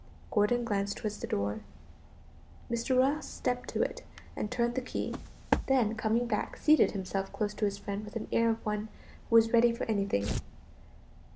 Gordon glanced toward the door. Mr. Ross stepped to it and turned the key; then coming back, seated himself close to his friend with the air of one who is ready for anything.